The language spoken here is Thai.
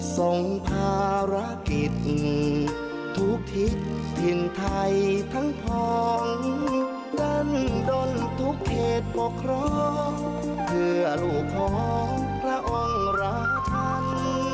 ส่งภารกิจทุกทิศถิ่นไทยทั้งพองลั้นดนทุกเขตปกครองเพื่อลูกของพระองค์ราชัน